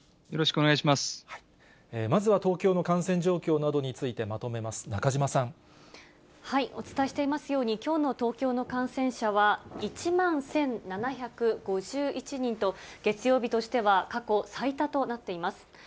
まずは東京の感染状況などにお伝えしていますように、きょうの東京の感染者は１万１７５１人と、月曜日としては過去最多となっています。